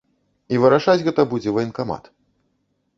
І вырашаць гэта будзе ваенкамат.